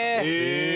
へえ！